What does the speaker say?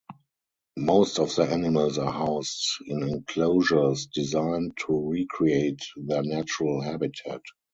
Most of the animals are housed in enclosures designed to recreate their natural habitat.